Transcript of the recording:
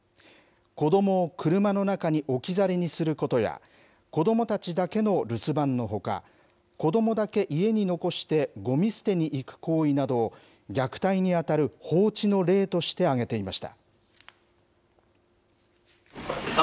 子どもを車の中に置き去りにすることや、子どもたちだけの留守番のほか、子どもだけ家に残してごみ捨てに行く行為などを虐待に当たる放置の例として挙げていました。